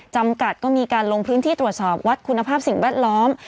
จำกัดก็มีการลงพื้นที่ตรวจสอบวัดคุณภาพสิ่งแวดล้อม